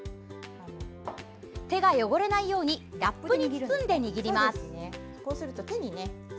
手が汚れないようにラップに包んで握ります。